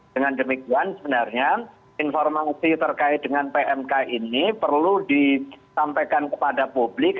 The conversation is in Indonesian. dengan demikian sebenarnya informasi terkait dengan pmk ini perlu disampaikan kepada publik